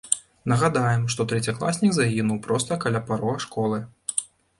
Нагадаем, што трэцякласнік загінуў проста каля парога школы.